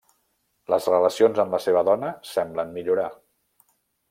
Les relacions amb la seva dona semblen millorar.